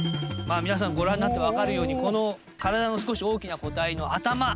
まあ皆さんご覧になって分かるようにこの体の少し大きな個体の頭！